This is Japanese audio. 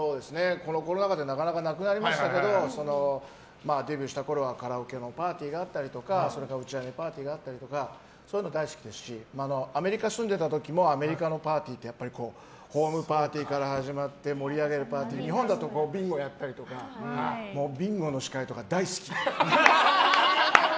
コロナ禍でなかなかなくなりましたけどデビューしたころはカラオケのパーティーがあったり打ち上げパーティーがあったりそういうのが大好きですしアメリカに住んでいた時もアメリカのパーティーってホームパーティーから始まって日本だとビンゴやったりとかビンゴの司会とか大好き！